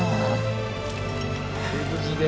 ご無事で。